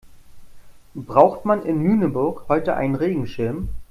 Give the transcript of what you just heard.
Braucht man in Lüneburg heute einen Regenschirm?